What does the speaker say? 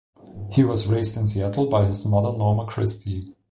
He was raised in Seattle by his mother Norma Christie.